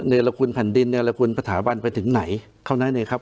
ในระคุณผันดินในระคุณประถาบันไปถึงไหนเข้านั้นเลยครับ